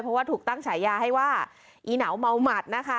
เพราะว่าถูกตั้งฉายาให้ว่าอีเหนาเมาหมัดนะคะ